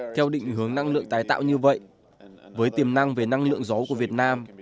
theo định hướng năng lượng tái tạo như vậy với tiềm năng về năng lượng gió của việt nam